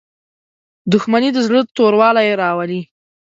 • دښمني د زړه توروالی راولي.